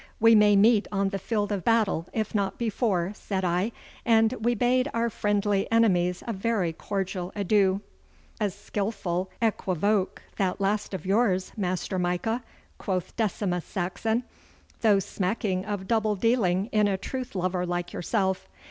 'We may meet on the field of battle, if not before,' said I, and we bade our friendly enemies a very cordial adieu. 'A skilful equivoque that last of yours, Master Micah,' quoth Decimus Saxon, 'though smacking of double dealing in a truth lover like yourself.